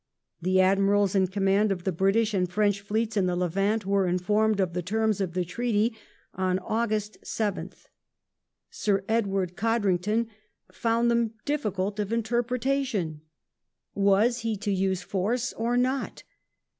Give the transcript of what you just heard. The Admirals in command of the British and French fleets in the Levant were informed of the terms of the Treaty on August 7th. Sir Edward Codrington found them difficult of interpretation. Was he to use force or not?